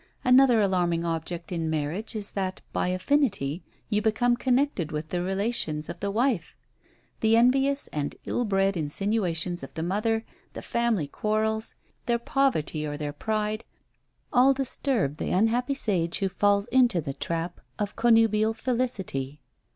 Another alarming object in marriage is that, by affinity, you become connected with the relations of the wife. The envious and ill bred insinuations of the mother, the family quarrels, their poverty or their pride, all disturb the unhappy sage who falls into the trap of connubial felicity!